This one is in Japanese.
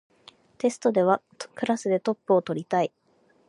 テストではクラスでトップを取りたい